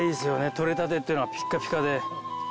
取れたてっていうのはピッカピカで。